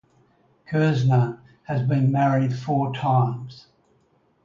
Kerzner has been married four times.